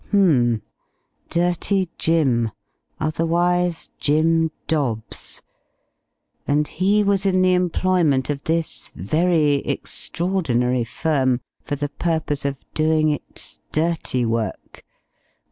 H'm! "Dirty Jim," otherwise Jim Dobbs. And he was in the employment of this very extraordinary firm for the purpose of doing its "dirty work."